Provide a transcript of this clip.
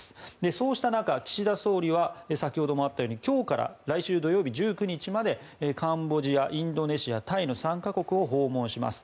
そうした中、岸田総理は先ほどもあったように今日から来週土曜日１９日までカンボジア、インドネシアタイの３か国を訪問します。